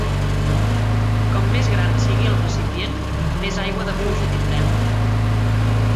Com més gran sigui el recipient, més aigua de pluja tindrem.